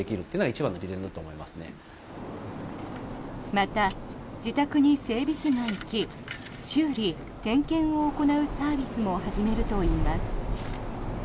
また、自宅に整備士が行き修理・点検を行うサービスも始めるといいます。